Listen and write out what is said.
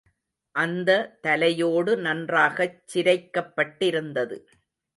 அந்த தலையோடு நன்றாகச் சிரைக்கப்பட்டிருந்தது.